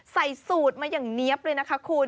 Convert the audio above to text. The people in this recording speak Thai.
ใส่สูตรมาอย่างเนี๊ยบเลยนะคะคุณ